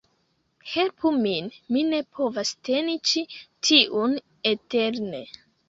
Helpu min! Mi ne povas teni ĉi tiun eterne